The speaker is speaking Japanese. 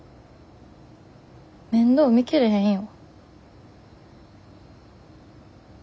面倒見切れへんよ。